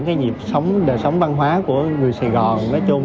cái nhịp sống đời sống văn hóa của người sài gòn nói chung